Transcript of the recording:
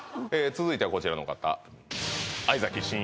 続いてはこちらの方あ